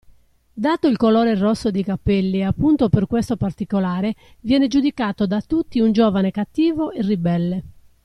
Dato il colore rosso dei capelli e appunto per questo particolare viene giudicato da tutti un giovane cattivo e ribelle.